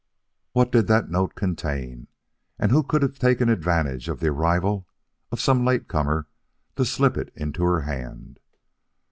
What did that note contain, and who could have taken advantage of the arrival of some late comer to slip it into her hand?